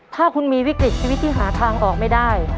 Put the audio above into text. ถ้าคุณมีวิกฤตชีวิตที่หาทางออกไม่ได้